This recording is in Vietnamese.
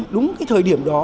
đúng thời điểm đó